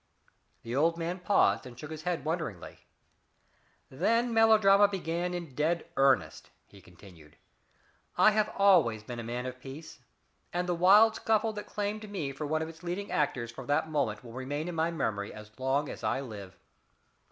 The old man paused and shook his head wonderingly. "Then melodrama began in dead earnest," he continued. "I have always been a man of peace, and the wild scuffle that claimed me for one of its leading actors from that moment will remain in my memory as long as I live.